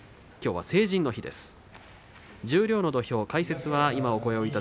きょうは成人の日です。